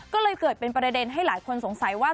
ก็เลยเกิดเป็นประเด็นให้หลายคนสงสัยว่า